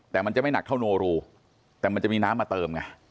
แต่มันจะไม่หนักเท่าโนรูแต่มันจะมีน้ำมาเติมไง